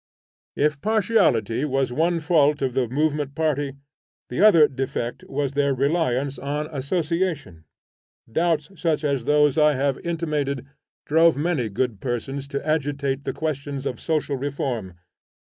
If partiality was one fault of the movement party, the other defect was their reliance on Association. Doubts such as those I have intimated drove many good persons to agitate the questions of social reform.